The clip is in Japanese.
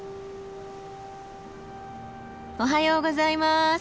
おはようございます。